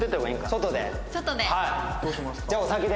外で？